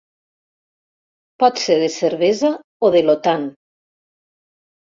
Pot ser de cervesa o de l'Otan.